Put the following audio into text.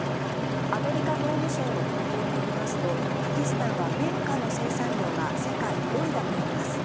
アメリカ農務省の統計によりますとパキスタンは綿花の生産量が世界５位だといいます。